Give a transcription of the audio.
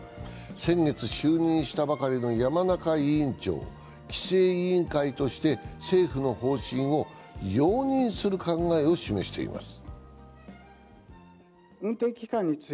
先月、就任したばかりの山中委員長規制委員会として政府の方針を容認する考えを示しています。